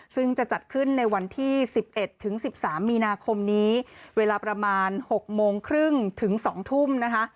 ซึ่งจะจัดขึ้นในวันที่๑๑ถึง๑๓มีนาคมนี้เวลาประมาณ๖โมงครึ่งถึง๒ทุ่มนะคะ